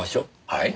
はい。